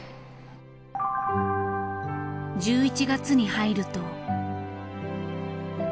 １１月に入ると。